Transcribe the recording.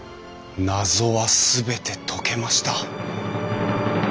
謎は全て解けました！